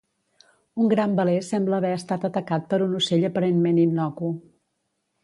Un gran veler sembla haver estat atacat per un ocell aparentment innocu.